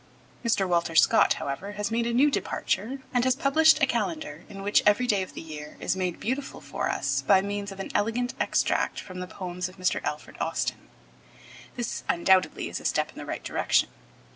Mr. Walter Scott, however, has made a new departure and has published a calendar in which every day of the year is made beautiful for us by means of an elegant extract from the poems of Mr. Alfred Austin. This, undoubtedly, is a step in the right direction.